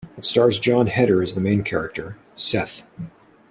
It stars Jon Heder as the main character, Seth.